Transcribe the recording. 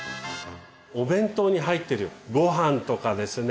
お弁当に入ってるごはんとかですね